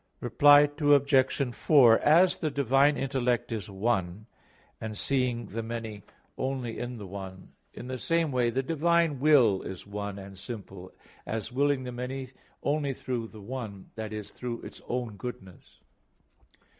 Reply Obj. 4: As the divine intellect is one, as seeing the many only in the one, in the same way the divine will is one and simple, as willing the many only through the one, that is, through its own goodness.